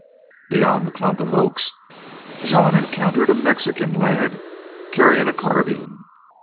Beyond the clump of oaks Jean encountered a Mexican lad carrying a carbine.